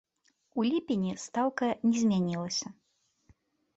У ліпені стаўка не змянілася.